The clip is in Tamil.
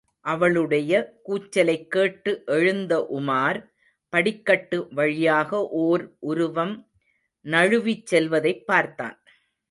அவளுடைய கூச்சலைக் கேட்டு எழுந்த உமார், படிக்கட்டு வழியாக ஓர் உருவம் நழுவிச்செல்வதைப் பார்த்தான்.